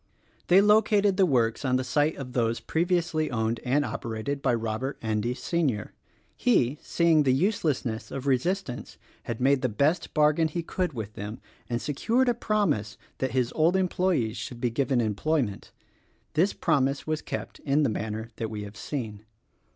They located the works on the site of those previously owned and operated by Robert Endy, Sr. He, seeing the uselessness of resistance had made the best bargain he could with them and secured a promise that his old employes should be given employment. This promise was kept in the manner that we have seen.